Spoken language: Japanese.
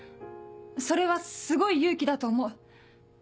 それはすごい勇気だと思う。